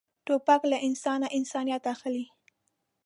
توپک له انسانه انسانیت اخلي.